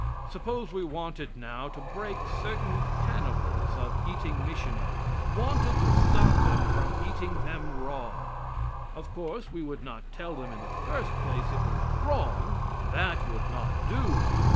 Suppose we wanted now to break certain cannibals of eating missionaries wanted to stop them from eating them raw? Of course we would not tell them, in the first place, it was wrong. That would not do.